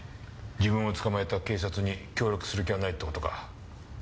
自分を捕まえた警察に協力する気はないって事か。